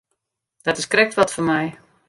Dat is krekt wat foar my.